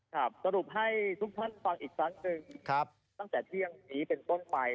สรุปให้ทุกท่านฟังอีกครั้งหนึ่งตั้งแต่เที่ยงนี้เป็นต้นไป